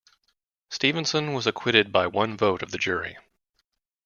Stephenson was acquitted by one vote of the jury.